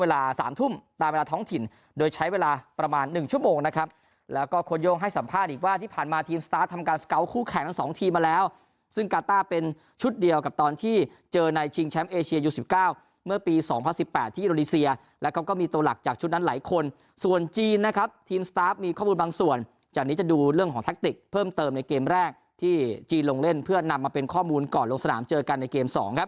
แล้วก็คดโยงให้สัมภาษณ์อีกว่าที่ผ่านมาทีมสตาร์ฟทำการสกาวท์คู่แข่งทั้งสองทีมาแล้วซึ่งกาต้าเป็นชุดเดียวกับตอนที่เจอในชิงแชมป์เอเชียยูสิบเก้าเมื่อปีสองพันสิบแปดที่อิโรนีเซียแล้วเขาก็มีตัวหลักจากชุดนั้นหลายคนส่วนจีนนะครับทีมสตาร์ฟมีข้อมูลบางส่วนจากนี้จะดูเรื่